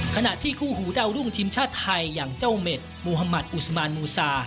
ขณะที่คู่หูดาวรุ่งทีมชาติไทยอย่างเจ้าเม็ดมูฮามัติอุสมานมูซา